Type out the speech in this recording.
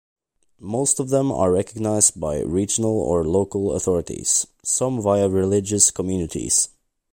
Most of them are recognized by regional or local authorities, some via religious communities.